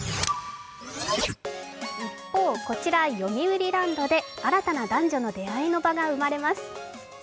一方、こちらよみうりランドで新たな男女の出会いの場が生まれます。